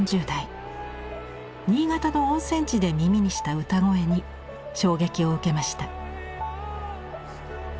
新潟の温泉地で耳にした歌声に衝撃を受けました。